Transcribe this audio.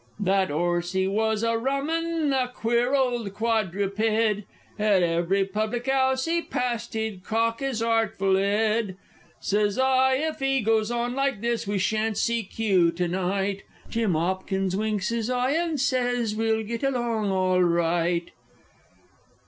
_ That 'orse he was a rum 'un a queer old quadru pèd, At every public 'ouse he passed he'd cock his artful 'ed! Sez I: "If he goes on like this, we shan't see Kew to night!" Jim 'Opkins winks his eye, and sez "We'll git along all right!"